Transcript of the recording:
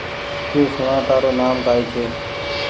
تو سوڻآ تآرو نآم ڪآئي ڇي